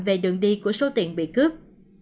về đường đi của số tiền bị cướp